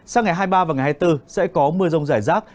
sang ngày hai mươi ba và ngày hai mươi bốn sẽ có mưa rông rải rác